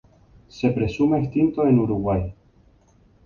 Se presume extinto en Uruguay.